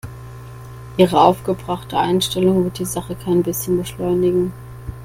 Ihre aufgebrachte Einstellung wird die Sache kein bisschen beschleunigen.